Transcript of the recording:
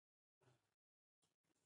興奮します。